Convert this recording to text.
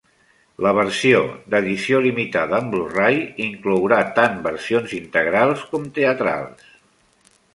La versió d'edició limitada en Blu-ray inclourà tant versions integrals com teatrals.